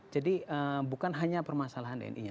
jadi bukan hanya permasalahan dni nya